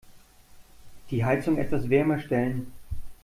Die Heizung etwas wärmer stellen.